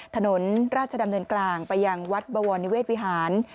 ถนนราชดำเนินกลางไปยังวัดบวรนิเวศวิหาร